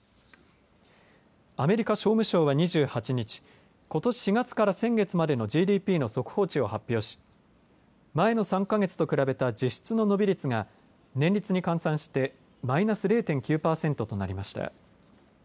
アメリカ商務省は２８日ことし４月から先月までのＧＤＰの速報値を発表し前の３か月と比べた実質の伸び率が年率に換算してマイナス０．９パーセントとなりました。